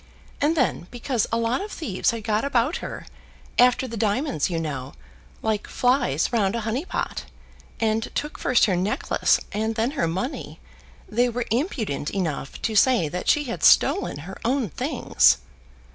And then, because a lot of thieves had got about her, after the diamonds, you know, like flies round a honey pot, and took first her necklace and then her money, they were impudent enough to say that she had stolen her own things!"